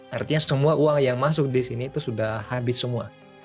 artinya semua uang yang masuk di sini itu sudah habis semua